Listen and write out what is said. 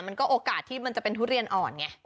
มันก็โอกาสที่มันจะเป็นทุเรียนอ่อนไง